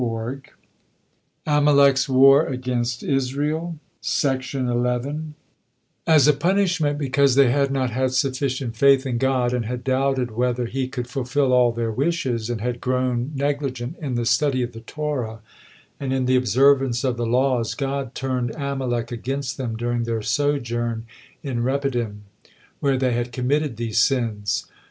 AMALEK'S WAR AGAINST ISRAEL As a punishment because they had not had sufficient faith in God, and had doubted whether He could fulfill all their wishes, and had grown negligent in the study of the Torah and in the observance of the laws, God turned Amalek against them during their sojourn in Rephidim, where they had committed these sins.